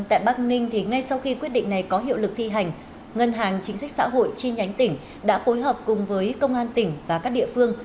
tại bắc ninh thì ngay sau khi quyết định này có hiệu lực thi hành ngân hàng chính sách xã hội chi nhánh tỉnh đã phối hợp cùng với công an tỉnh và các địa phương